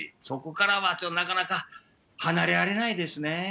そこからはなかなか離れられないですね。